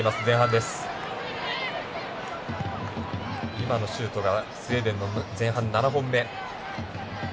今のシュートがスウェーデンの前半７本目。